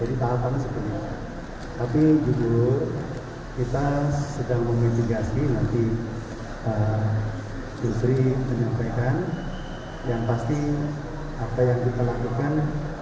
jadi tahapannya seperti itu tapi juga kita sedang memitigasi nanti jusri menyampaikan yang pasti apa yang kita lakukan